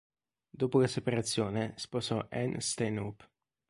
Dopo la separazione sposò Anne Stanhope.